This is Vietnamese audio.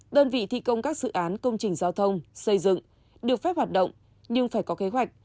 đơn vị thi công các dự án công trình giao thông xây dựng được phép hoạt động nhưng phải có kế hoạch